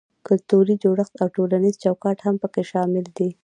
کلتوري جوړښت او ټولنیز چوکاټ هم پکې شامل دي.